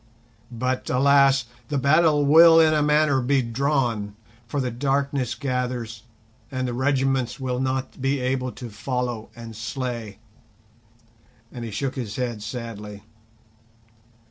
But alas! the battle will in a manner be drawn, for the darkness gathers, and the regiments will not be able to follow and slay!"—and he shook his head sadly.